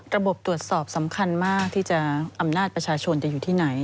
ระบบตรวจสอบสำคัญมากที่จะอำนาจประชาชนจะอยู่ที่ไหน